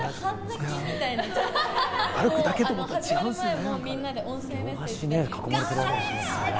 歩くだけだと思ったら違うんですよね。